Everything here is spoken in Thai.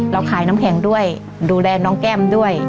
ขายน้ำแข็งด้วยดูแลน้องแก้มด้วย